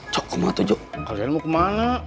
cukup banget tuh jok kalian mau kemana